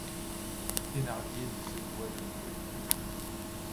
Thénardier lui secoua de nouveau l’épaule.